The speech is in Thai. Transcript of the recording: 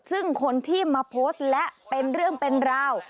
ซึ่งคนที่มาโพสต์และเป็นเรื่องเป็นราว